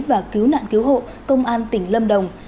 và cứu nạn cứu hộ công an tỉnh lâm đồng